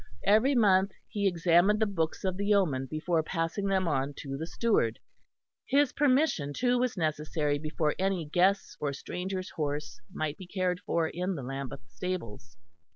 Every month he examined the books of the yeoman before passing them on to the steward. His permission too was necessary before any guest's or stranger's horse might be cared for in the Lambeth stables.